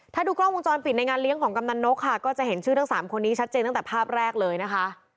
ถ้าดูกล้องวงจรปิดในงานเลี้ยงของกำนันนกค่ะก็จะเห็นชื่อทั้งสามคนนี้ชัดเจนตั้งแต่ภาพแรกเลยนะคะ